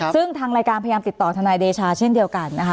ซึ่งทางรายการพยายามติดต่อทนายเดชาเช่นเดียวกันนะคะ